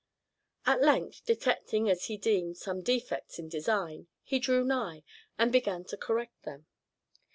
At length, detecting, as he deemed, some defects in design, he drew nigh, and began to correct them.